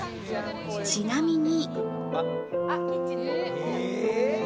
ちなみに。